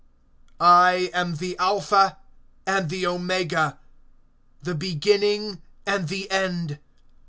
I am the Alpha and the Omega, the beginning and the end.